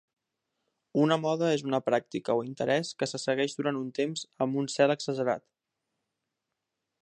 Una moda és una pràctica o interès que se segueix durant un temps amb un zel exagerat.